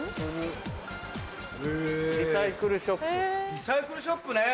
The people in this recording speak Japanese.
リサイクルショップね